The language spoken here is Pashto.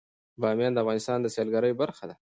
بامیان د افغانستان د سیلګرۍ برخه ده.